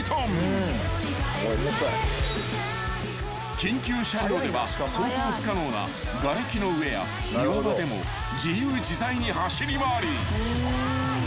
［緊急車両では走行不可能ながれきの上や岩場でも自由自在に走り回り］